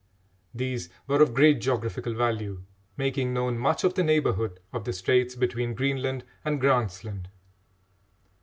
These were of great geographical value, making known much of the neighbourhood of the straits between Greenland and Grant's Land.